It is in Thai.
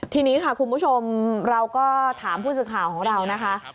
ทีนี้ค่ะคุณผู้ชมเราก็ถามผู้สื่อข่าวของเรานะคะ